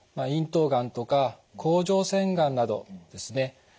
咽頭がんとか甲状腺がんなどですね